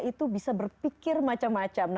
itu bisa berpikir macam macam